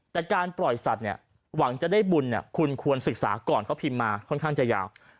แต่การปล่อยสัตว์เนี่ยหวังจะได้บุญคุณควรศึกษาก่อนเขาพิมพ์มาค่อนข้างจะยาว